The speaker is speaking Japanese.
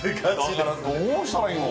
どうしたらいいの？